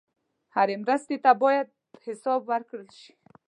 هره مرستې ته باید حساب ورکړل شي.